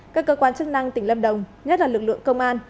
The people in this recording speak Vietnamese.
các cơ quan chức năng tỉnh lâm đồng nhất là lực lượng công an